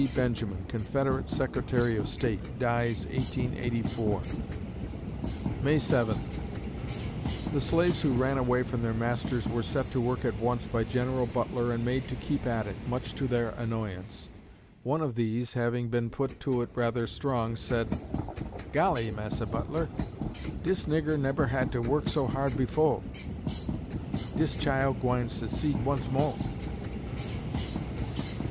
Benjamin, Confederate Secretary of State, dies, 1884_ May Seventh The slaves who ran away from their masters were set to work at once by General Butler and made to keep at it, much to their annoyance. One of these, having been put to it rather strong, said: "Golly, Massa Butler, dis nigger nebber had to work so hard befo'; dis chile gwine secede once moah."